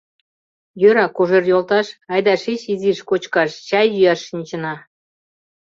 — Йӧра, Кожер йолташ, айда шич изиш кочкаш, чай йӱаш шинчына.